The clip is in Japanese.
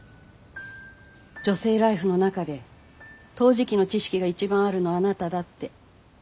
「女性ＬＩＦＥ」の中で陶磁器の知識が一番あるのはあなただって。